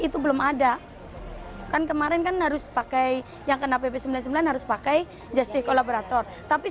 itu belum ada kan kemarin kan harus pakai yang kena pp sembilan puluh sembilan harus pakai justice collaborator tapi